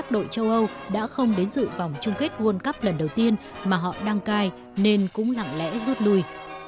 đội châu âu đã không đến dự vòng chung kết world cup lần đầu tiên mà họ đăng cai nên cũng lặng lẽ rút lui